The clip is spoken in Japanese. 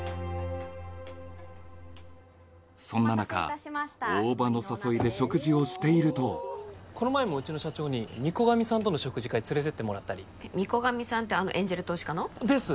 そんな中大庭の誘いで食事をしているとこの前もうちの社長に御子神さんとの食事会連れてってもらったり御子神さんってエンジェル投資家の？です！